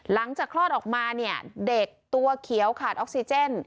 หลังจากคลอดออกมาเด็กตัวเขียวขาดออกซิเจน